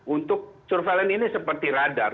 untuk surveillance ini seperti radar